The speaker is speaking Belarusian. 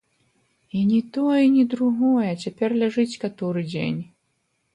І ні той, і ні другой, а цяпер ляжыць каторы дзень.